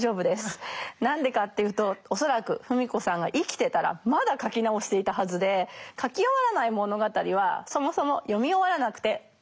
何でかっていうと恐らく芙美子さんが生きてたらまだ書き直していたはずで書き終わらない物語はそもそも読み終わらなくてＯＫです。